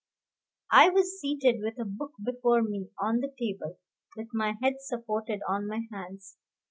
I was seated with a book before me on the table, with my head supported on my hands.